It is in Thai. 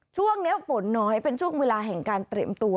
ช่วงนี้ฝนน้อยเป็นช่วงเวลาแห่งการเตรียมตัว